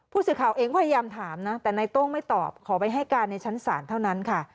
ผู้สื่อข่าวเองพยายามถามนะแต่นายโต้งไม่ตอบขอไปให้การในชั้นศาลเท่านั้นค่ะ